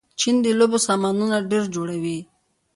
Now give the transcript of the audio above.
چین د لوبو سامانونه ډېر جوړوي.